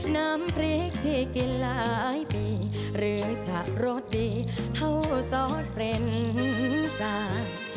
น้ำพริกที่กินหลายปีหรือจะรสดีเท่าซอสเป็นตา